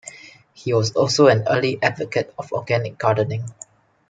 He was also an early advocate of organic gardening.